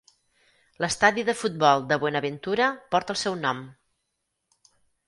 L'estadi de futbol de Buenaventura porta el seu nom.